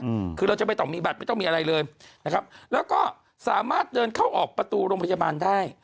อืมคือเราจะไม่ต้องมีบัตรไม่ต้องมีอะไรเลยนะครับแล้วก็สามารถเดินเข้าออกประตูโรงพยาบาลได้